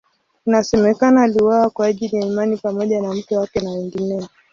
Inasemekana aliuawa kwa ajili ya imani pamoja na mke wake na wengineo.